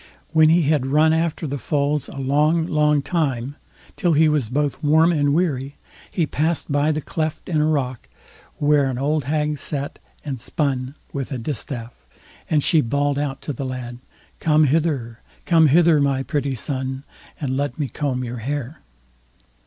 When he had run after the foals a long long time, till he was both warm and weary, he passed by the cleft in a rock, where an old hag sat and spun with a distaff, and she bawled out to the lad: "Come hither, come hither, my pretty son, and let me comb your hair."